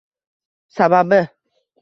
Sababi?